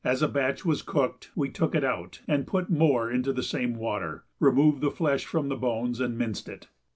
As a batch was cooked we took it out and put more into the same water, removed the flesh from the bones, and minced it.